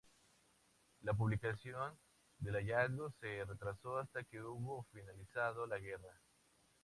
La publicación del hallazgo se retrasó hasta que hubo finalizado la guerra.